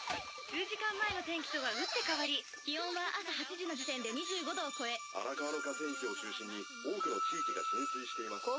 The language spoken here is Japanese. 「数時間前の天気とは打って変わり」「気温は朝８時の時点で２５度を超え」「荒川の河川敷を中心に多くの地域が浸水しています」